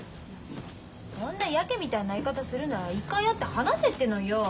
そんなヤケみたいな言い方するなら一回会って話せっていうのよ。